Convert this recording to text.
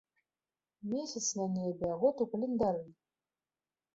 Месяц на небе, а год у календары.